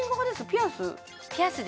ピアス？